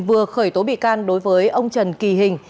và khởi tổ bị can đối với ông trần kỳ hình